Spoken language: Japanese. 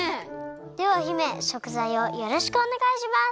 では姫しょくざいをよろしくおねがいします。